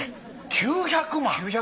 ９００万。